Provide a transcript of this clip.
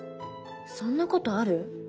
そんなことある？